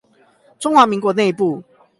中華民國內部